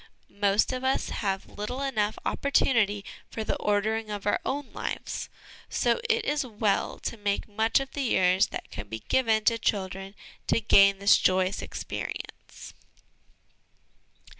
Most of us have little enough opportunity for the ordering of our own lives, so it is well to make much of the years that can be given to children to gain this joyous experience.